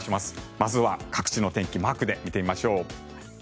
まずは各地の天気マークで見てみましょう。